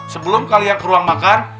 sebelum kalian ke ruang makan